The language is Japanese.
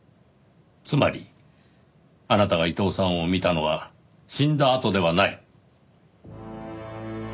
つまりあなたが伊藤さんを見たのは死んだあとではない。